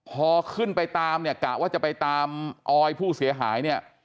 พอขึ้นไปตามเนี่ยกะว่าจะไปตามออยผู้เสียหายเนี่ย